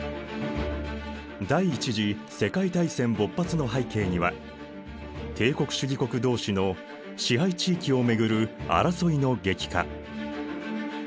第一次世界大戦勃発の背景には帝国主義国同士の支配地域をめぐる争いの激化